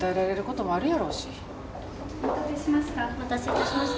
お待たせいたしました。